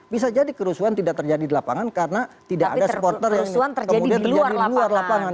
bisa jadi kerusuhan tidak terjadi di lapangan karena tidak ada supporter yang kemudian terjadi di luar lapangan